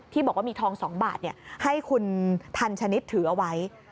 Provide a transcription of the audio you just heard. บอกว่ามีทอง๒บาทให้คุณทันชนิดถือเอาไว้